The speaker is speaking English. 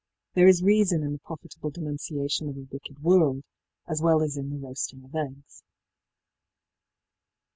There is reason in the profitable denunciation of a wicked world, as well as in the roasting of eggs.